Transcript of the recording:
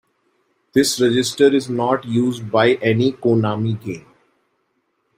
This register is not used by any Konami game.